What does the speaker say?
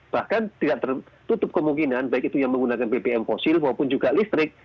bahkan tidak tertutup kemungkinan baik itu yang menggunakan bbm fosil maupun juga listrik